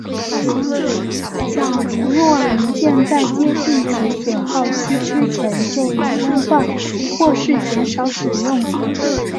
例如若零件在接近其损耗期之前就已更换或是减少使用。